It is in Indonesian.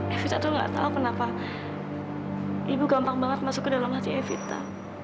evita tuh gak tahu kenapa ibu gampang banget masuk ke dalam hati evita